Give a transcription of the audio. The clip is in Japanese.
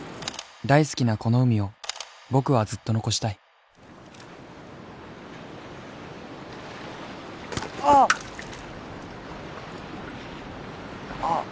大好きなこの海を僕はずっと残したいあ！